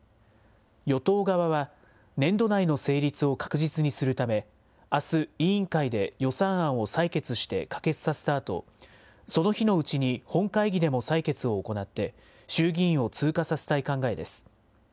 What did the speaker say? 与党側は、年度内の成立を確実にするため、あす、委員会で予算案を採決して可決させたあと、その日のうちに本会議でも採決を行って、衆議院を通過させたい考えです。